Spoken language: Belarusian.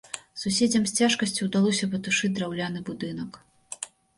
Суседзям з цяжкасцю ўдалося патушыць драўляны будынак.